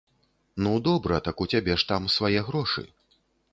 Ну, добра, так у цябе ж там свае грошы.